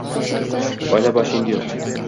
Oila boshi endi yo`q